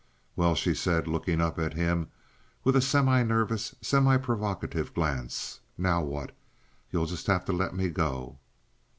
"Well," she said, looking up at him with a semi nervous, semi provocative glance, "now what? You'll just have to let me go."